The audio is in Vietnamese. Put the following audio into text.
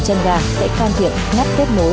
chân ga sẽ phan thiện ngắt kết nối